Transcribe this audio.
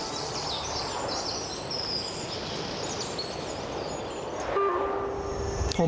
สวัสดีครับ